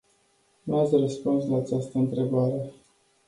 Nu ați răspuns la această întrebare.